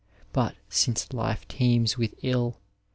But, since life teems with ill.